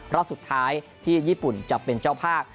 รอบสุดท้ายที่ญี่ปุ่นจะเป็นเจ้าภาพ